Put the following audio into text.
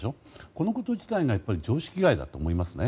このこと自体が常識外だと思いますね。